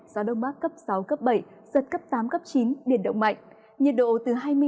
gió đông bắc cấp sáu cấp bảy giật cấp tám cấp chín biển động mạnh nhiệt độ từ hai mươi năm